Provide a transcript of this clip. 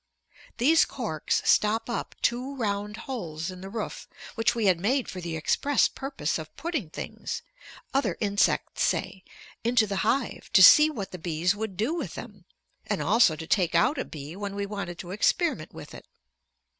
These corks stop up two round holes in the roof which we had made for the express purpose of putting things, other insects, say, into the hive to see what the bees would do with them, and also to take out a bee when we wanted to experiment with it.